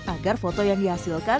agar foto tersebut bisa dihasilkan